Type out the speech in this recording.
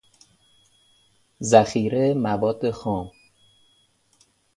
ذخیره مواد خام